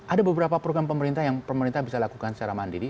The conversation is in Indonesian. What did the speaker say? ada beberapa program pemerintah yang pemerintah bisa lakukan secara mandiri